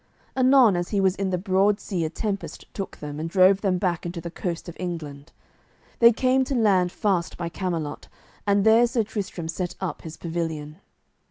Anon as he was in the broad sea a tempest took them and drove them back into the coast of England. They came to land fast by Camelot, and there Sir Tristram set up his pavilion.